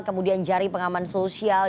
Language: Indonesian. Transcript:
kemudian jari pengaman sosial